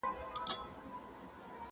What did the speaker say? ملا وویل تعویذ درته لیکمه,